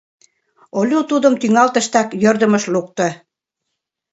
Олю тудым тӱҥалтыштак йӧрдымыш лукто.